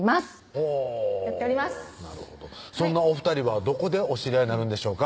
ほうなるほどそんなお２人はどこでお知り合いになるんでしょうか？